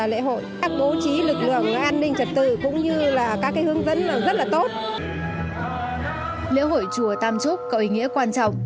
lễ hội chùa tam trúc có ý nghĩa quan trọng